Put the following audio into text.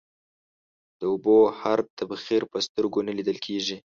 د اوبو هر تبخير په سترگو نه ليدل کېږي.